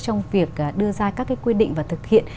trong việc đưa ra các cái quy định và thực hiện